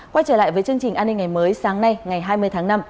quay trở lại với chương trình an ninh ngày mới sáng nay ngày hai mươi tháng năm